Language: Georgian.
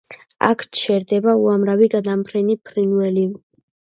აქ ჩერდება უამრავი გადამფრენი ფრინველი.